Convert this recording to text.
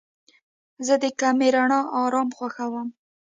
زه د کمې رڼا آرام خوښوم.